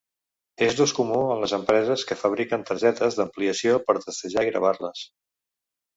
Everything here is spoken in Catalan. És d'ús comú en les empreses que fabriquen targetes d'ampliació per testejar i gravar-les.